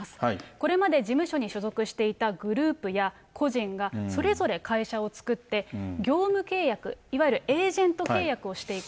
これまで事務所に所属していたグループや個人がそれぞれ会社を作って、業務契約、いわゆるエージェント契約をしていく。